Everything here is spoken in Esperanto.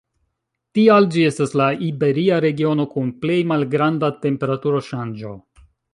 Tial, ĝi estas la iberia regiono kun plej malgranda temperaturo-ŝanĝo.